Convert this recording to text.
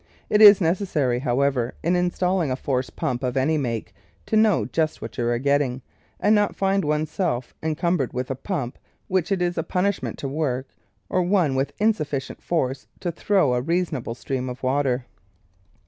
It is necessary, however, in installing a force pump of any make to know just what you are getting, and not find one's self encumbered with a pump which it is a punishment to work or one with in sufficient force to throw a reasonable stream of water.